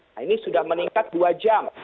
nah ini sudah meningkat dua jam